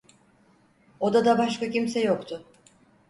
Odada başka kimse yoktu.